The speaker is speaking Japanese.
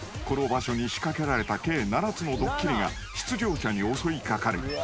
［この場所に仕掛けられた計７つのドッキリが出場者に襲い掛かる］